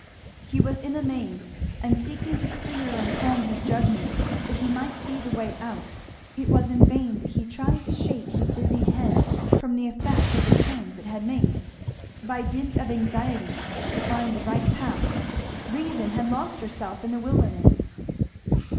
He was in a maze; and seeking to clear and calm his judgment that he might see the way out, it was in vain that he tried to shake his dizzied head from the effect of the turns it had made. By dint of anxiety to find the right path reason had lost herself in the wilderness.